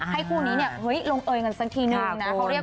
ให้คู่นี้ลงเปิ้ลกันสักทีหนึ่งครับคุณ